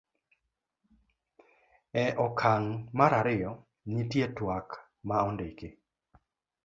e okang' mar ariyo, nitie twak ma ondiki